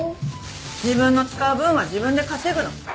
自分の使う分は自分で稼ぐの。